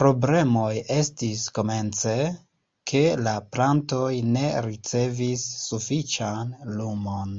Problemoj estis komence, ke la plantoj ne ricevis sufiĉan lumon.